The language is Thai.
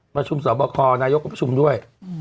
ประชุมสอบคอนายกก็ประชุมด้วย